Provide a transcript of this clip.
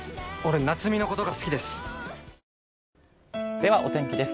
ではお天気です。